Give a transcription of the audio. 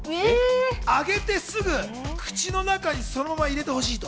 揚げてすぐ口の中にそのまま入れてほしいと。